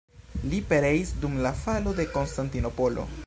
Li pereis dum la falo de Konstantinopolo.